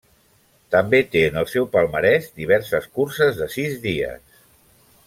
També té en el seu palmarès diverses curses de sis dies.